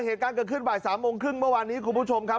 เหตุการณ์เกิดขึ้นบ่าย๓โมงครึ่งเมื่อวานนี้คุณผู้ชมครับ